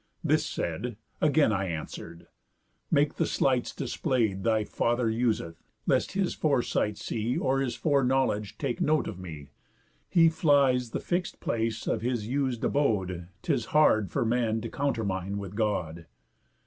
This said; Again I answer'd: 'Make the sleights display'd Thy father useth, lest his foresight see, Or his foreknowledge taking note of me, He flies the fixt place of his us'd abode. 'Tis hard for man to countermine with God.